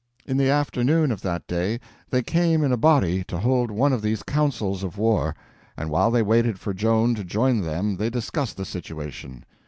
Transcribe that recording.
In the afternoon of that day they came in a body to hold one of these councils of war; and while they waited for Joan to join them they discussed the situation.